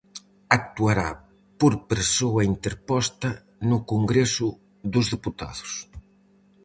Actuará por persoa interposta no Congreso dos Deputados.